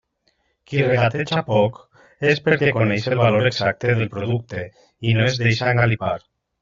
Qui regateja poc és perquè coneix el valor exacte del producte i no es deixa engalipar.